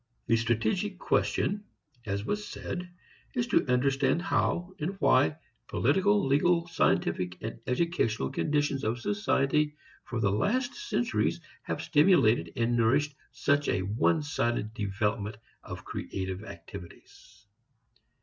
The strategic question, as was said, is to understand how and why political, legal, scientific and educational conditions of society for the last centuries have stimulated and nourished such a one sided development of creative activities.